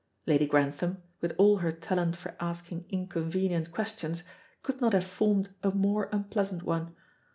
Lady Grantham, with all her talent for asking inconvenient questions, could not have formed a more unpleasant one.